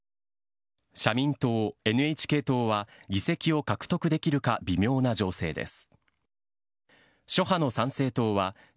社民党、ＮＨＫ党は議席を獲得できるか微妙な情勢です。